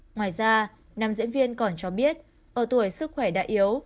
ngoài ra nam diễn viên còn cho biết ở tuổi sức khỏe đã yếu